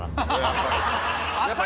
やっぱり。